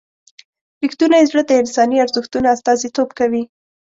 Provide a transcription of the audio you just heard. رښتونی زړه د انساني ارزښتونو استازیتوب کوي.